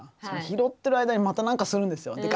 その拾ってる間にまた何かするんですよ。